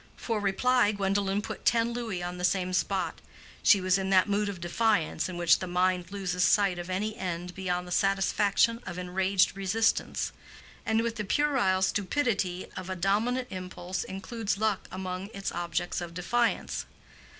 For reply Gwendolen put ten louis on the same spot: she was in that mood of defiance in which the mind loses sight of any end beyond the satisfaction of enraged resistance; and with the puerile stupidity of a dominant impulse includes luck among its objects of defiance.